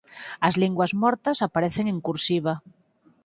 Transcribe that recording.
As linguas mortas aparecen en cursiva.